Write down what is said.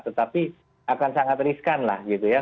tetapi akan sangat riskan lah gitu ya